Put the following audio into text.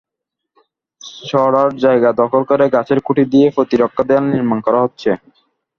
ছড়ার জায়গা দখল করে গাছের খুঁটি দিয়ে প্রতিরক্ষা দেয়াল নির্মাণ করা হচ্ছে।